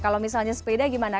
kalau misalnya sepeda gimana